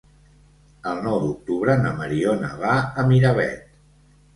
El nou d'octubre na Mariona va a Miravet.